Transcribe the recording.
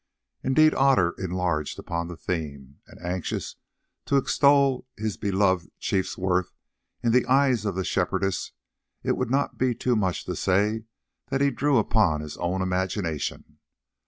Indeed Otter enlarged upon the theme, and, anxious to extol his beloved chief's worth in the eyes of the Shepherdess, it would not be too much to say that he drew upon his own imagination.